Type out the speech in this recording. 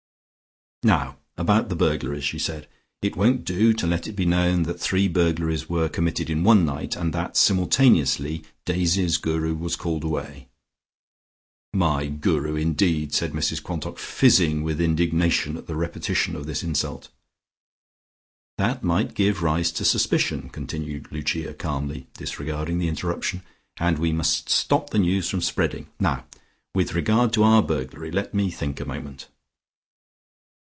"Now about the burglaries," she said. "It won't do to let it be known that three burglaries were committed in one night, and that simultaneously Daisy's Guru was called away " "My Guru, indeed!" said Mrs Quantock, fizzing with indignation at the repetition of this insult. "That might give rise to suspicion," continued Lucia calmly, disregarding the interruption, "and we must stop the news from spreading. Now with regard to our burglary ... let me think a moment."